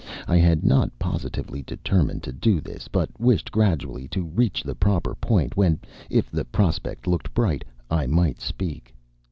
I had not positively determined to do this, but wished gradually to reach the proper point, when, if the prospect looked bright, I might speak.